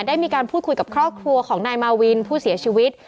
ได้มีการพูดคุยกับครอบครัวของนายมาวินผู้เสียชีวิต